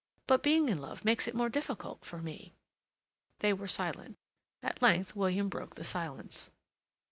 But being in love makes it more difficult for me." They were silent. At length William broke the silence.